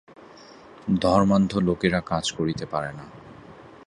ধর্মান্ধ লোকেরা কাজ করিতে পারে না।